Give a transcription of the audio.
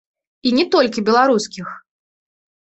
І не толькі беларускіх.